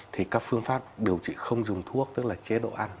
thì các phương pháp điều trị không dùng thuốc tức là chế độ ăn